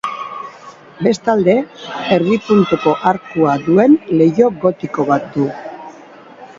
Bestalde, erdi-puntuko arkua duen leiho gotiko bat du.